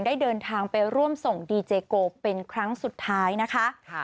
ได้เดินทางไปร่วมส่งดีเจโกเป็นครั้งสุดท้ายนะคะ